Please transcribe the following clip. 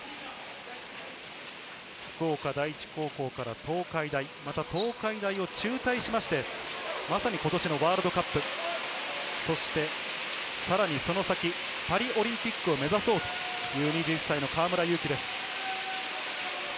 福岡第一高校から東海大、東海大を中退して、今年のワールドカップ、さらにその先、パリオリンピックを目指そうという２１歳の河村勇輝です。